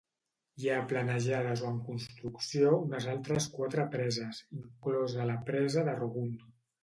Hi ha planejades o en construcció unes altres quatre preses, inclosa la presa de Rogun.